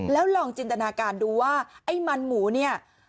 แล้วลองจินตนาการดูว่าไอ้มันหมูเนี่ย